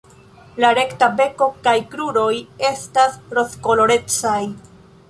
La rekta beko kaj kruroj estas rozkolorecaj.